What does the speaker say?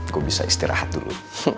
gua bisa istirahat dulu